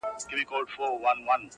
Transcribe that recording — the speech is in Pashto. راسه دوې سترگي مي دواړي درله دركړم،